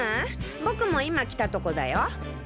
僕も今来たとこだよ。